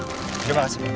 terima kasih pak